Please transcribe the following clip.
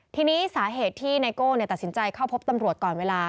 ทีนี้สาเหตุที่ไนโก้ตัดสินใจเข้าพบตำรวจก่อนเวลา